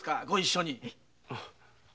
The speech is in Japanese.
ご一緒に。